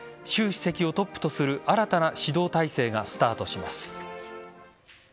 主席をトップとする新たな指導体制がスタートします。